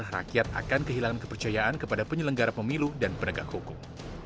rakyat akan kehilangan kepercayaan kepada penyelenggara pemilu dan penegak hukum